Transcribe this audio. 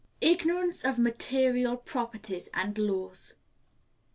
_Ignorance of Material Properties and Laws.